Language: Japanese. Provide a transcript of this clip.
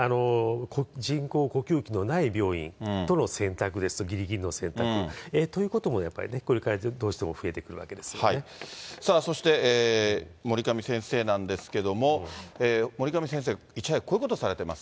人工呼吸器のない病院との選択です、ぎりぎりの選択、ということもやっぱりね、これからどうしても増さあそして、守上先生なんですけど、守上先生、いち早くこういうことをされてます。